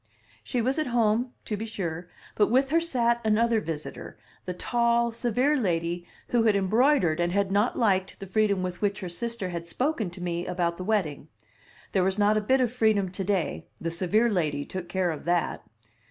She was at home, to be sure, but with her sat another visitor, the tall, severe lady who had embroidered and had not liked the freedom with which her sister had spoken to me about the wedding. There was not a bit of freedom to day; the severe lady took care of that.